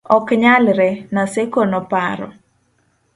ok nyalre, Naseko noparo